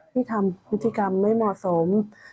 ที่ทำพฤติกรรมไม่เหมาะสม